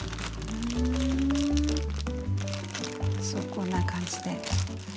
そうこんな感じで。